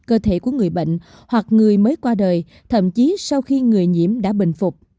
cơ thể của người bệnh hoặc người mới qua đời thậm chí sau khi người nhiễm đã bình phục